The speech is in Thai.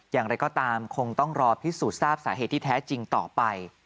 อย่างไรก็ตามคงต้องรอพิสูจน์ทราบสาเหตุที่แท้จริงต่อไป